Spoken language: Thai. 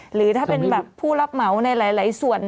หรือถ้าเป็นแบบผู้รับเหมาในหลายส่วน